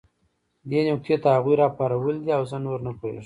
دې نکتې هغوی راپارولي دي او زه نور نه پوهېږم